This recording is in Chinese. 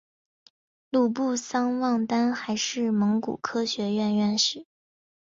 鲁布桑旺丹还是蒙古科学院院士。